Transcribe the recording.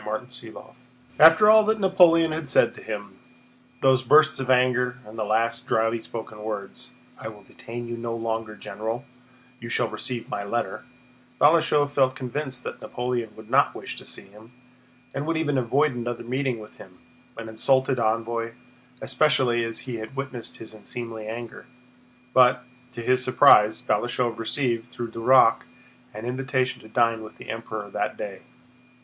CHAPTER VII After all that Napoleon had said to him—those bursts of anger and the last dryly spoken words: "I will detain you no longer, General; you shall receive my letter," Balashëv felt convinced that Napoleon would not wish to see him, and would even avoid another meeting with him—an insulted envoy—especially as he had witnessed his unseemly anger. But, to his surprise, Balashëv received, through Duroc, an invitation to dine with the Emperor that day.